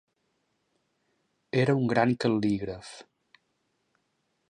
Era un gran cal·lígraf.